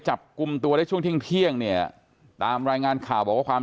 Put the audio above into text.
จับกลุ่มตัวได้ช่วงเที่ยงเนี่ยตามรายงานข่าวบอกว่าความ